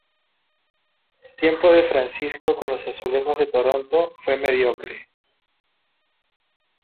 El tiempo de Francisco con los Azulejos de Toronto fue mediocre.